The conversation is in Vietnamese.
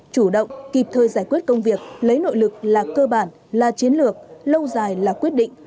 chủ động kịp thời giải quyết công việc lấy nội lực là cơ bản là chiến lược lâu dài là quyết định